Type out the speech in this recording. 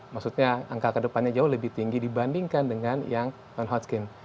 maksudnya angka kedepannya jauh lebih tinggi dibandingkan dengan yang non hotskin